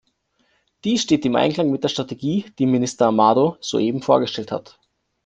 Dies steht im Einklang mit der Strategie, die Minister Amado soeben vorgestellt hat.